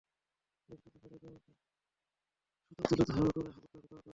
বেশ কিছু শাড়ির জমিনে সুতা তুলে করা হয়েছে হালকা কোটার কাজ।